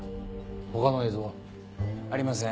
他の映像は？ありません。